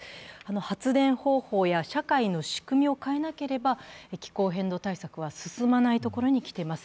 発電方法や社会の仕組みを変えなければ気候変動対策は進まないところに来ています。